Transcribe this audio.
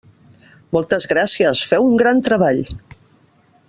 Moltes gràcies, feu un gran treball!